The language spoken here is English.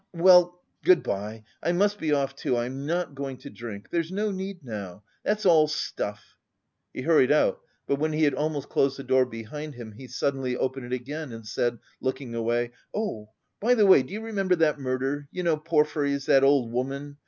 Well, good bye! I must be off too. I am not going to drink. There's no need now.... That's all stuff!" He hurried out; but when he had almost closed the door behind him, he suddenly opened it again, and said, looking away: "Oh, by the way, do you remember that murder, you know Porfiry's, that old woman?